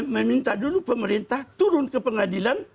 meminta dulu pemerintah turun ke pengadilan